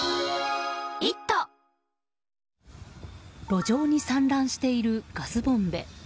路上に散乱しているガスボンベ。